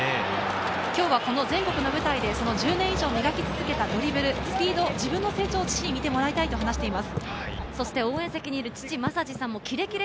今日はこの全国の舞台でその１０年以上、磨き続けたドリブルスピード、自分の成長を父に見てもらいたいと話しています。